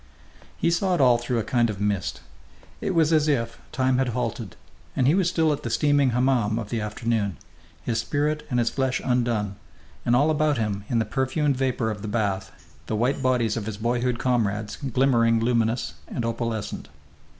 He saw it all through a kind of mist. It was as if time had halted, and he was still at the steaming hammam of the afternoon, his spirit and his flesh undone, and all about him in the perfumed vapour of the bath the white bodies of his boyhood comrades glimmering luminous and opalescent.